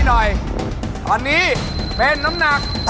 หน่อยตอนนี้เป็นน้ำหนัก